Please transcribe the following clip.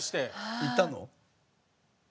行ったの？